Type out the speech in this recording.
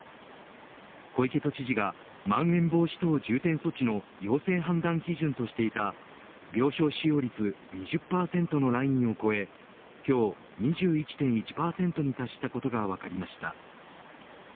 小池都知事がまん延防止等重点措置の要請判断基準としていた病床使用率２０％のラインを超え今日２１．１％に達したことが分かりました。